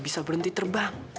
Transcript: bisa berhenti terbang